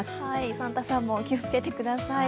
サンタさんも気をつけてください。